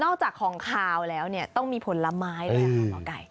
จากของขาวแล้วเนี่ยต้องมีผลไม้ด้วยค่ะหมอไก่